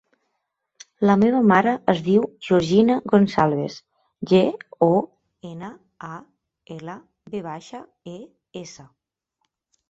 La meva mare es diu Georgina Gonçalves: ge, o, ena, a, ela, ve baixa, e, essa.